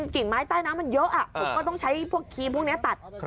กิ่งไม้ใต้น้ำมันเยอะผมก็ต้องใช้พวกครีมพวกนี้ตัด